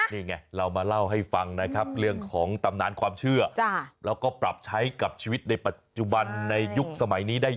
นี่ไงเรามาเล่าให้ฟังนะครับเรื่องของตำนานความเชื่อแล้วก็ปรับใช้กับชีวิตในปัจจุบันในยุคสมัยนี้ได้